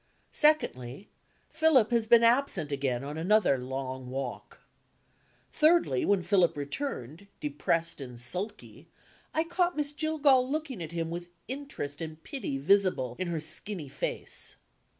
Secondly, Philip has been absent again, on another long walk. Thirdly, when Philip returned, depressed and sulky, I caught Miss Jillgall looking at him with interest and pity visible in her skinny face.